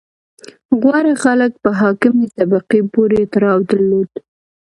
• غوره خلک په حاکمې طبقې پورې تړاو درلود.